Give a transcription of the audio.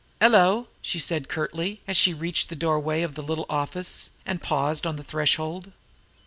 "'Ello!" she said curtly, as she reached the doorway of the little office, and paused on the threshold.